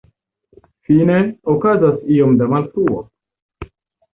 Fine, okazas iom da malfruo.